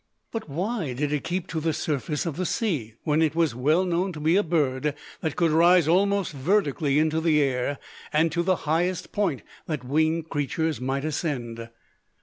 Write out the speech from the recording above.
But why did it keep to the surface of the sea, when it was well known to be a bird that could rise almost vertically into the air, and to the highest point that winged creatures might ascend?